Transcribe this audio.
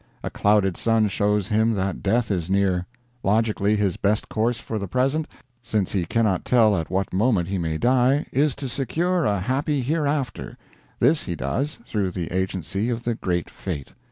A clouded sun shows him that death is near. Logically his best course for the present, since he cannot tell at what moment he may die, is to secure a happy hereafter; this he does, through the agency of the Great Fate.